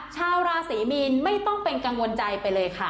ชาวราศรีมีนไม่ต้องเป็นกังวลใจไปเลยค่ะ